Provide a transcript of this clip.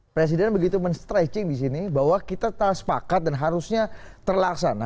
presiden begitu men stretching disini bahwa kita tak sepakat dan harusnya terlaksana